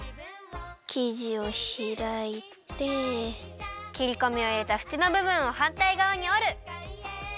きじをひらいてきりこみをいれたふちのぶぶんをはんたいがわにおる！